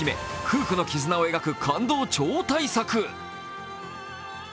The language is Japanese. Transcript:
夫婦の絆を描く感動超大作。